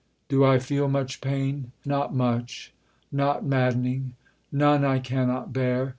... Do I feel much pain? Not much. Not maddening. None I cannot bear.